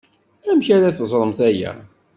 Amek ara teẓremt aya?